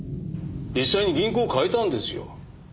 実際に銀行を変えたんですよ。